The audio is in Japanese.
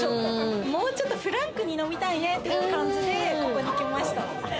もうちょっとフランクに飲みたいねという感じでここに来ました。